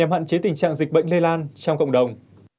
với tình trạng dịch bệnh lây lan trong cộng đồng